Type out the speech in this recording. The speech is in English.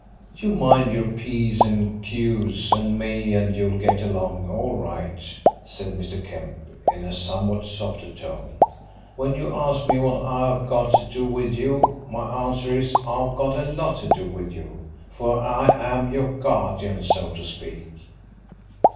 "You mind your P's and Q's and me and you'll get along all right," said Mr. Kemp, in a somewhat softer tone. "When you ask me what I've got to do with you, my answer is I've got a lot to do with you, for I'm your guardian, so to speak."